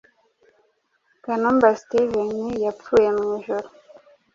Kanumba Steven yapfuye mu ijoro